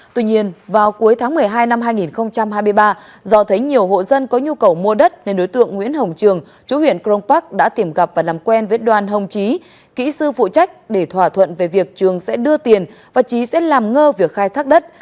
tuy nhiên vào cuối tháng một mươi hai năm hai nghìn hai mươi ba do thấy nhiều hộ dân có nhu cầu mua đất nên đối tượng nguyễn hồng trường chủ huyện crong park đã tìm gặp và làm quen với đoàn hồng trí kỹ sư phụ trách để thỏa thuận về việc trường sẽ đưa tiền và trí sẽ làm ngơ việc khai thác đất